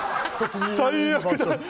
最悪だ。